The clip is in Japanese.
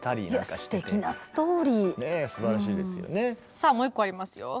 さあもう１個ありますよ。